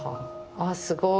あすごい。